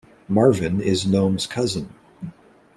Marvin is Noam's cousin.